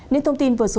nên thông tin vừa sau